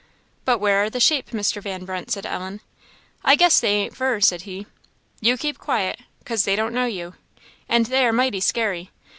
"But where are the sheep, Mr. Van Brunt?" said Ellen. "I guess they ain't fur," said he. "You keep quiet, 'cause they don't know you; and they are mighty scary.